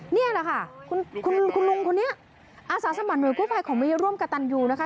นี่แหละค่ะคุณลุงคนนี้อาสาสมัครหน่วยกู้ภัยของมิร่วมกับตันยูนะคะ